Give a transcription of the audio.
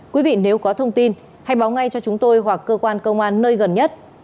quý vị nếu có thông tin hãy báo ngay cho chúng tôi hoặc cơ quan công an nơi gần nhất